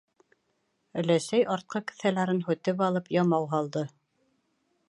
Өләсәй артҡы кеҫәләрен һүтеп алып ямау һалды.